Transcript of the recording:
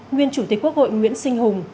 nguyên chủ tịch quốc hội nguyễn sinh hùng